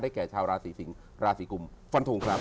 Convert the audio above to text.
แก่ชาวราศีสิงศ์ราศีกุมฟันทงครับ